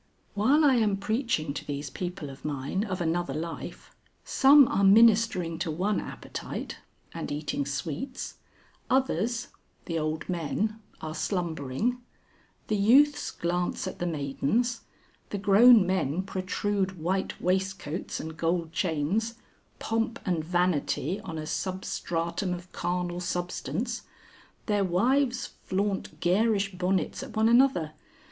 While I am preaching to these people of mine of another life, some are ministering to one appetite and eating sweets, others the old men are slumbering, the youths glance at the maidens, the grown men protrude white waistcoats and gold chains, pomp and vanity on a substratum of carnal substance, their wives flaunt garish bonnets at one another.